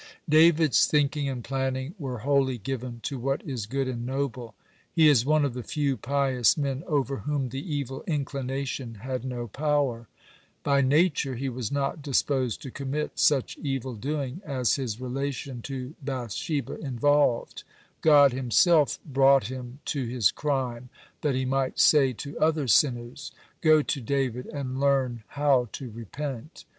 (89) David's thinking and planning were wholly given to what is good and noble. He is one of the few pious men over whom the evil inclination had no power. (90) By nature he was not disposed to commit such evil doing as his relation to Bath sheba involved. God Himself brought him to his crime, that He might say to other sinners: "Go to David and learn how to repent."